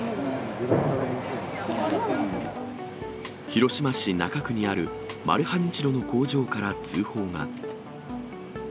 広島市中区にあるマルハニチロの工場から通報が。